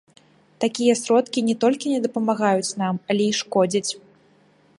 Такія сродкі не толькі не дапамагаюць нам, але і шкодзяць.